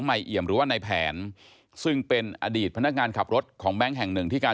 ให้ใส่บริเวณ๑๗๐๐นความเคลียร์